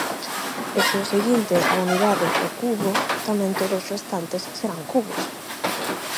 E se o seguinte á unidade é cubo, tamén todos restantes serán cubos.